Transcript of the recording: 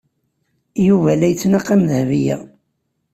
Yuba la yettnaqam Dahbiya.